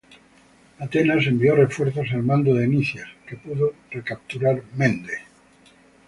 Atenas envió refuerzos al mando de Nicias, que pudo recapturar Mende.